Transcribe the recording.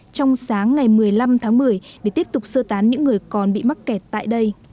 trong sáng ngày một mươi năm tháng một mươi để tiếp tục sơ tán những người còn bị mắc kẹt tại đây